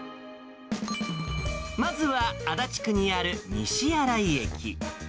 まずは、足立区にある西新井駅。